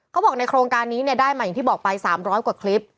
เขาบอกว่าในโครงการนี้ได้อย่างที่บอกไป๓๐๐กว่าคลิป